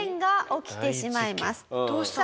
どうしたの？